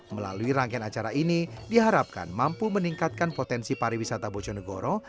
melalui rangkaian acara ini diharapkan mampu meningkatkan potensi pariwisata bojonegoro